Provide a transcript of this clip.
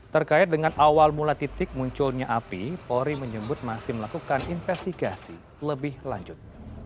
terkait dengan awal mula titik munculnya api polri menyebut masih melakukan investigasi lebih lanjut